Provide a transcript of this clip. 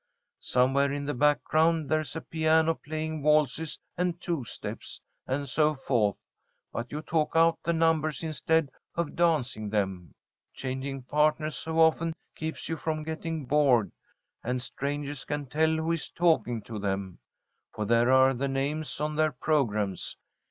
Somewhere in the background there's a piano playing waltzes and two steps, and so forth, but you talk out the numbers instead of dancing them. Changing partners so often keeps you from getting bored, and strangers can tell who is talking to them, for there are the names on their programmes.